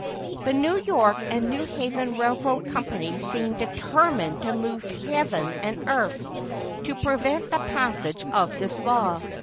The New York and New Haven Railroad Company seemed determined to move heaven and earth to prevent the passage of this law.